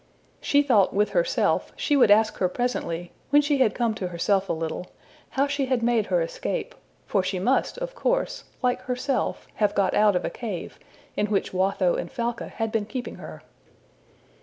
She thought with herself she would ask her presently, when she had come to herself a little, how she had made her escape, for she must, of course, like herself, have got out of a cave, in which Watho and Falca had been keeping her.